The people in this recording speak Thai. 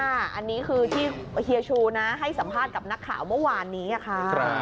อันนี้คือที่เฮียชูนะให้สัมภาษณ์กับนักข่าวเมื่อวานนี้ค่ะ